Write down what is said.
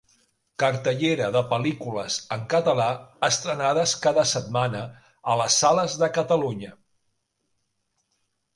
Cartellera de pel·lícules en català estrenades cada setmana a les sales de Catalunya.